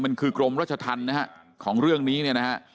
มันคือกรมรัชทันนะครับของเรื่องนี้เนี่ยนะครับ